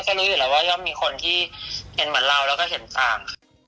ก็รู้อยู่แล้วว่าย่อมมีคนที่เห็นเหมือนเราแล้วก็เห็นต่าง